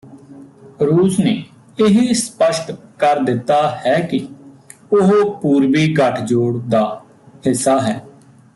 ਰੂਸ ਨੇ ਇਹ ਸਪੱਸ਼ਟ ਕਰ ਦਿੱਤਾ ਹੈ ਕਿ ਉਹ ਪੂਰਬੀ ਗੱਠਜੋੜ ਦਾ ਹਿੱਸਾ ਹੈ